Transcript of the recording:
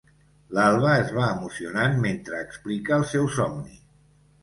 L'Alva es va emocionant mentre explica el seu somni.